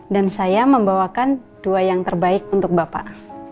dan saya membawakan dua yang terbaik untuk bapak